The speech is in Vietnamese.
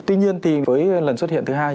tuy nhiên thì với lần xuất hiện thứ hai